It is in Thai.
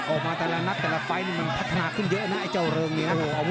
ออกมาแต่ละนัดแต่ละไฟล์นี่มันพัฒนาขึ้นเยอะนะไอ้เจ้าเริงเนี่ยนะ